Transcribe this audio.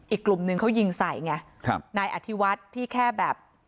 อีกกลุ่มนึงเขายิงใส่ไงครับนายอธิวัฒน์ที่แค่แบบ